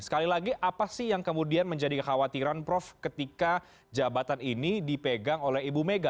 sekali lagi apa sih yang kemudian menjadi kekhawatiran prof ketika jabatan ini dipegang oleh ibu mega